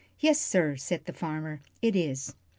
"Yes, sir," said the farmer, "it is."